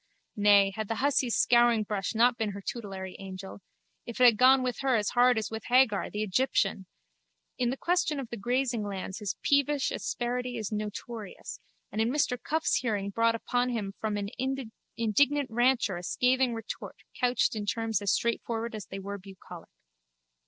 Nay, had the hussy's scouringbrush not been her tutelary angel, it had gone with her as hard as with Hagar, the Egyptian! In the question of the grazing lands his peevish asperity is notorious and in Mr Cuffe's hearing brought upon him from an indignant rancher a scathing retort couched in terms as straightforward as they were bucolic.